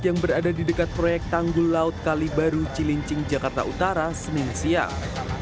yang berada di dekat proyek tanggul laut kali baru cilincing jakarta utara senin siang